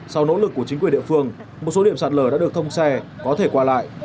sau nỗ lực của chính quyền địa phương một số điểm sạt lở đã được thông xe có thể qua lại